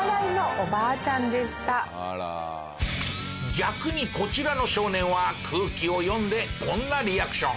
逆にこちらの少年は空気を読んでこんなリアクション。